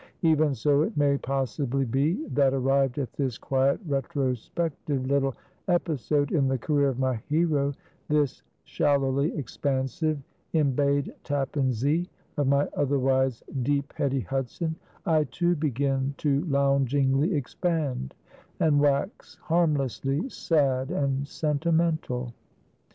Even so, it may possibly be, that arrived at this quiet retrospective little episode in the career of my hero this shallowly expansive embayed Tappan Zee of my otherwise deep heady Hudson I too begin to loungingly expand, and wax harmlessly sad and sentimental.